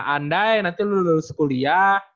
andai nanti lu lulus kuliah